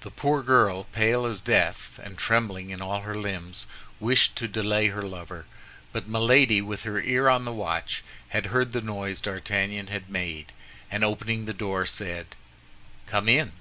The poor girl, pale as death and trembling in all her limbs, wished to delay her lover; but Milady, with her ear on the watch, had heard the noise D'Artagnan had made, and opening the door, said, "Come in."